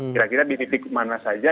kira kira di titik mana saja